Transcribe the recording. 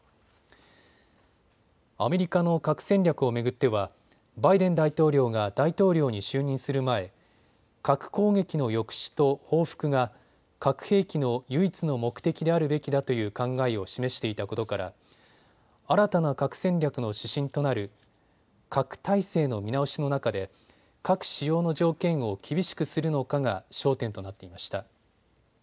アメリカの核戦略を巡ってはバイデン大統領が大統領に就任する前、核攻撃の抑止と報復が核兵器の唯一の目的であるべきだという考えを示していたことから新たな核戦略の指針となる核態勢の見直しの中で核使用の条件を厳しくするのかが焦点となっていました。